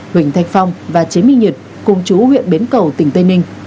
huỳnh thạch phong và chế minh nhật cung chú huyện bến cầu tỉnh tây ninh